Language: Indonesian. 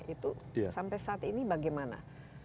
itu sampai saat ini bagaimana